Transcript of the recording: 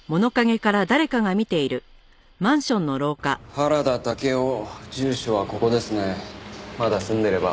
原田武雄住所はここですねまだ住んでれば。